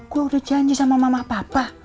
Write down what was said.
gue udah janji sama mama papa